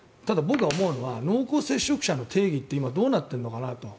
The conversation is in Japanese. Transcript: ただ、濃厚接触者の定義って今、どうなっているのかなと。